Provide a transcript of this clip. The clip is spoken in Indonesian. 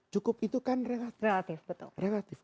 cukup itu kan relatif